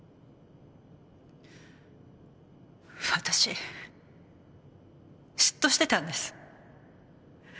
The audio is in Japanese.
私嫉妬してたんです。